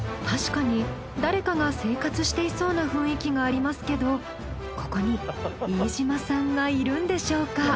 確かに誰かが生活していそうな雰囲気がありますけどここに飯島さんがいるんでしょうか？